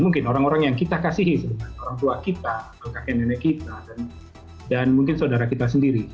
mungkin orang orang yang kita kasihi orang tua kita atau kakek nenek kita dan mungkin saudara kita sendiri